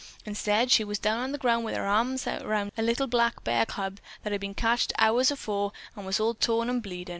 Instead she was down on the ground wi' her arms around a little black bear cub that had been catched hours before and was all torn and bleedin'.